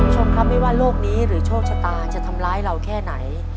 คุณผู้ชมครับไม่ว่าโลกนี้หรือโชคชะตาจะทำร้ายเราแค่ไหน